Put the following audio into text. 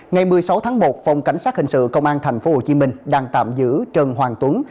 ngày một mươi sáu tháng một phòng cảnh sát hình sự công an tp hcm đang tạm giữ trần hoàng tuấn